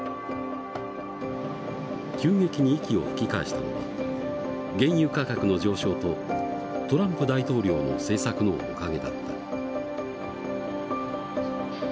急激に息を吹き返したのは原油価格の上昇とトランプ大統領の政策のおかげだった。